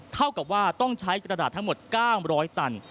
เท่ากับว่าต้องใช้กระดาษทั้งหมด๙๐๐ตัน